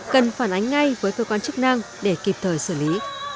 cần phản ánh ngay với cơ quan chức năng để kịp thời xử lý